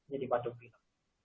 jadi waktu itu